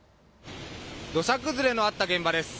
土砂崩れのあった現場です。